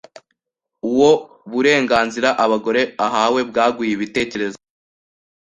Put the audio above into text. Uwo burenganzira abagore ahawe bwaguye ibitekerezo cyabo